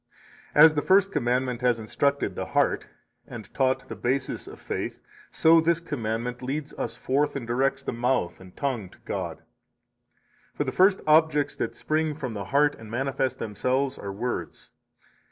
50 As the First Commandment has instructed the heart and taught [the basis of] faith, so this commandment leads us forth and directs the mouth and tongue to God. For the first objects that spring from the heart and manifest themselves are words.